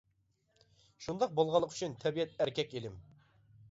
شۇنداق بولغانلىقى ئۈچۈن تەبىئەت ئەركەك ئىلىم.